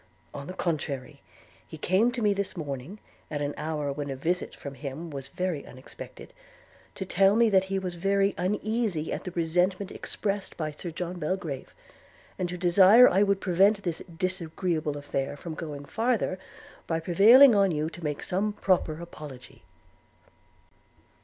On the contrary, he came to me this morning, at an hour when a visit from him was very unexpected, to tell me that he was very uneasy at the resentment expressed by Sir John Belgrave; and to desire I would prevent this disagreeable affair from going farther, by prevailing on you to make some proper apology.'